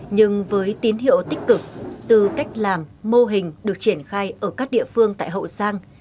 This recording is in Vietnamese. nhưng với tín hiệu tích cực từ cách làm mô hình được triển khai ở các địa phương tại hậu giang